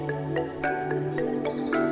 maka kehidupan berlangsung